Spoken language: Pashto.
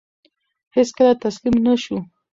هیڅکله تسلیم نه شو.